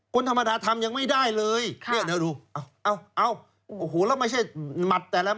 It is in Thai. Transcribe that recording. คนธรรมดาทำยังไม่ได้เลยเนี่ยเดี๋ยวดูเอาโอ้โหแล้วไม่ใช่หมัดแต่ละห